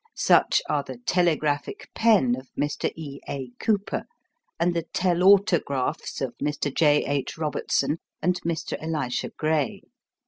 Such are the "telegraphic pen" of Mr. E. A. Cowper, and the "telautographs" of Mr. J. H. Robertson and Mr. Elisha Gray.